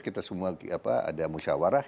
kita semua ada musyawarah